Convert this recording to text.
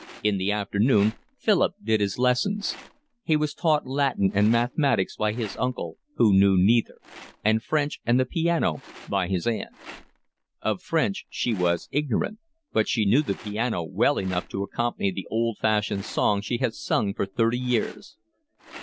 In the afternoon Philip did his lessons, He was taught Latin and mathematics by his uncle who knew neither, and French and the piano by his aunt. Of French she was ignorant, but she knew the piano well enough to accompany the old fashioned songs she had sung for thirty years.